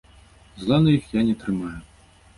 Зла на іх я не трымаю.